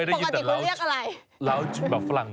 ลาวด์คุณปกติคุณเรียกอะไรลาวด์แบบฝรั่งหน่อย